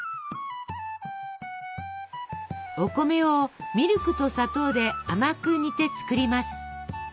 お米をミルクと砂糖で甘く煮て作ります。